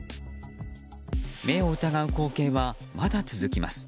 目を疑う光景は、まだ続きます。